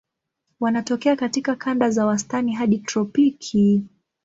Wanatokea katika kanda za wastani hadi tropiki.